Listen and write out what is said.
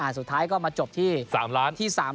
สุดท้ายก็มาจบที่๓ล้าน